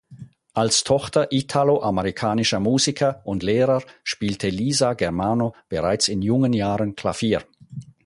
Als Tochter italo-amerikanischer Musiker und Lehrer spielte Lisa Germano bereits in jungen Jahren Klavier.